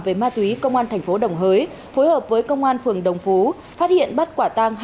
về ma túy công an thành phố đồng hới phối hợp với công an phường đồng phú phát hiện bắt quả tang